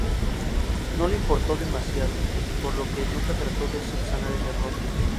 No le importó demasiado, por lo que nunca trató de subsanar el error.